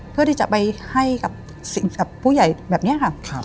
เพื่อที่จะไปให้กับผู้ใหญ่แบบนี้ค่ะ